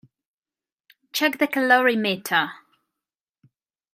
Check the calorimeter.